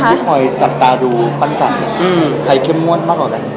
ทีมที่คอยจับตาดูปั้นจักใครเข้มมวดมากกว่ากัน